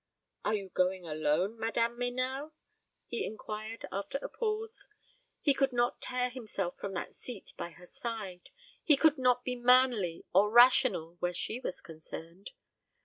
"Are you going alone, Madame Meynell?" he inquired, after a pause. He could not tear himself from that seat by her side. He could not be manly or rational where she was concerned.